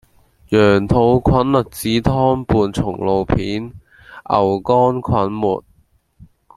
羊肚菌栗子湯伴松露片．牛肝菌末